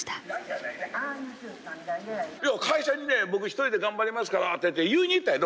会社に僕１人で頑張りますからって言いに行ったんやで。